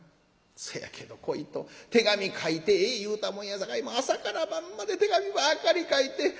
そやけど小糸手紙書いてええ言うたもんやさかい朝から晩まで手紙ばっかり書いて。